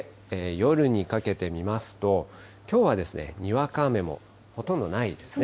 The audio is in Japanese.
夜にかけて見ますと、きょうはにわか雨もほとんどないですね。